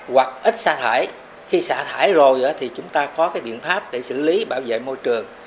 hoặc ít sang hải khi xả thải rồi thì chúng ta có cái biện pháp để xử lý bảo vệ môi trường